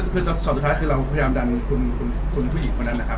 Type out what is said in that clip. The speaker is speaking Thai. คือส่วนสุดท้ายคือเราพยายามดันคุณผู้หญิงคนนั้นนะครับ